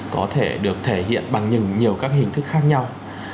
có thể được thể hiện bằng nhiều các hình thức khác nhau